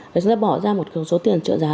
để chúng ta bỏ ra một số tiền trợ giá